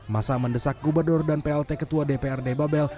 masa mendesak gubernur dan plt ketua dprd babel